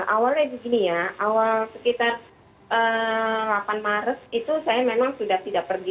awalnya begini ya awal sekitar delapan maret itu saya memang sudah tidak pergi